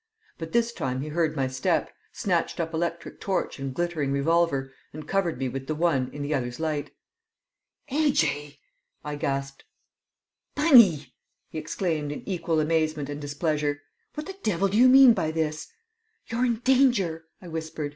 But this time he heard my step, snatched up electric torch and glittering revolver, and covered me with the one in the other's light. "A.J.!" I gasped. "Bunny!" he exclaimed in equal amazement and displeasure. "What the devil do you mean by this?" "You're in danger," I whispered.